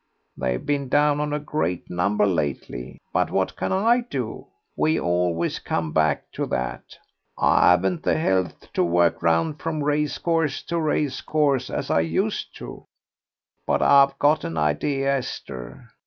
"They've been down on a great number lately, but what can I do? We always come back to that. I haven't the health to work round from race course to race course as I used to. But I've got an idea, Esther.